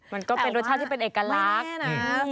มันก็เป็นรสชาติที่เป็นเอกลักษณ์แปลว่าไม่แน่นะ